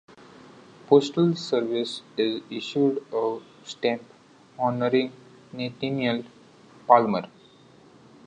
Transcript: Postal Service issued a stamp honoring Nathaniel Palmer.